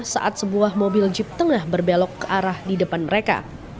saat sebuah mobil jeep tengah berbelok ke arah di depan mereka